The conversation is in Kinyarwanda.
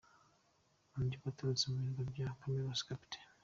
Undi waturutse mu birwa bya Comoros, Capt.